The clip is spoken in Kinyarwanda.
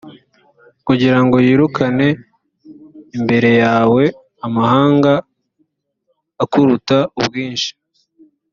kugira ngo yirukane imbere yawe amahanga akuruta ubwinshi